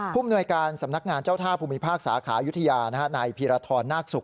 มนวยการสำนักงานเจ้าท่าภูมิภาคสาขายุทยานายพีรทรนาคศุกร์